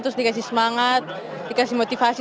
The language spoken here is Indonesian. terus dikasih semangat dikasih motivasi